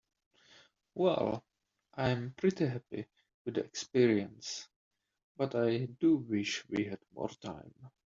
Well, I am pretty happy with the experience, but I do wish we had more time.